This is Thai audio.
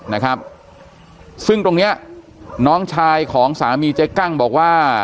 นะครับซึ่งตรงเนี้ยน้องชายของสามีเจ๊กั้งบอกว่า